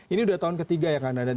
ini udah tahun ketiga ya kang dadan